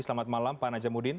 selamat malam pak najamuddin